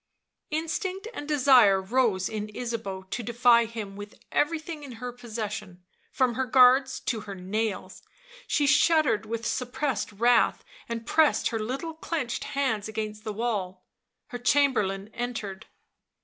Instinct and desire rose in Ysabeau to defy him with everything in her possession, from her guards to her nails; she shuddered with suppressed wrath, and pressed her little clenched hands against the wall. Her Chamberlain entered.